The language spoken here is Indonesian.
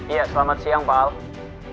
iya selamat siang pak